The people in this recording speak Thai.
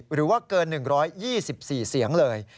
หรือว่าเกิน๑๒๔เสียงเลย